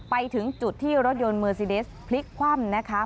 ไปถึงจุดที่รถยนต์เมอร์ซีเดสพลิกคว่ำนะคะ